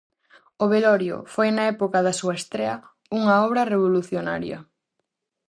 "O Velorio" foi na época da súa estrea unha obra revolucionaria.